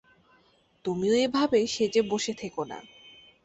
তুমিও এভাবে সেজে বসে ঠেকো না।